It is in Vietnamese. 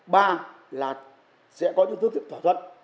ba là sẽ có chức thức thỏa thuận